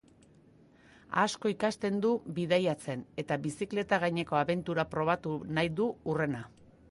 Asko ikasten du bidaiatzen, eta bizikleta gaineko abentura probatu nahi du hurrena.